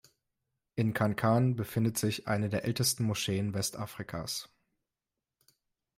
In Kankan befindet sich eine der ältesten Moscheen Westafrikas.